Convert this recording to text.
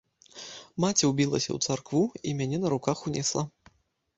Маці ўбілася ў царкву і мяне на руках унесла.